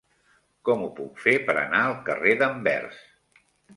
Com ho puc fer per anar al carrer d'Anvers?